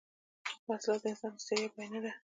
وسله د انسان د ستړیا پای نه ده